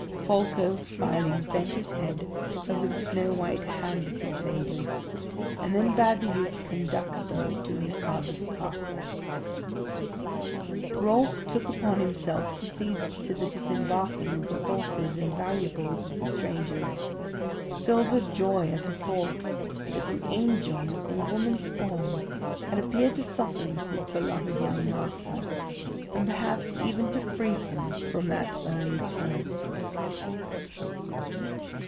Folko, smiling, bent his head over the snow white hand of his lady; and then bade the youth conduct them to his father's castle. Rolf took upon himself to see to the disembarking of the horses and valuables of the strangers, filled with joy at the thought that an angel in woman's form had appeared to soften his beloved young master, and perhaps even to free him from that early curse.